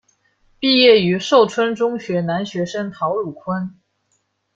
毕业于寿春中学男学生陶汝坤。